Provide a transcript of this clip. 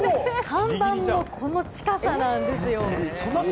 看板もこの近さなんですよ。